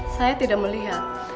saya tidak melihat